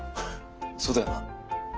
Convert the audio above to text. そうだよな。